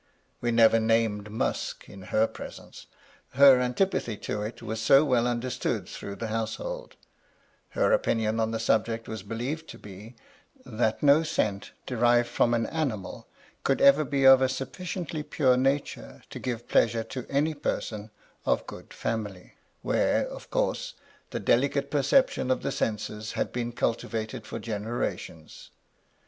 We never named musk in her presence, her antipathy to it was so well understood through the household : her opinion on the subject was believed to be, that no scent derived from an animal could ever be of a sufficiently pure nature to give plea sure to any person of good family, where, of course, the delicate perception of the senses had been cultivated for generations.